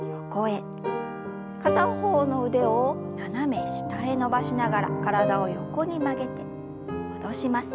片方の腕を斜め下へ伸ばしながら体を横に曲げて戻します。